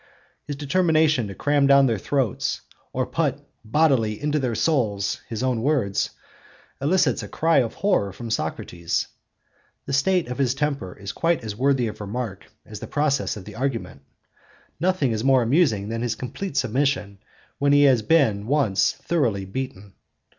His determination to cram down their throats, or put 'bodily into their souls' his own words, elicits a cry of horror from Socrates. The state of his temper is quite as worthy of remark as the process of the argument. Nothing is more amusing than his complete submission when he has been once thoroughly beaten.